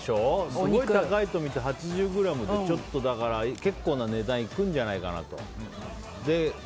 すごい高いとみて、８０ｇでちょっと、結構な値段いくんじゃないかなと。